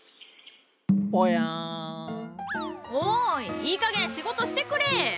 いいかげん仕事してくれ！